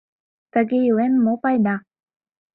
Тыге илен, мо пайда